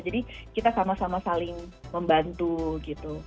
jadi kita sama sama saling membantu gitu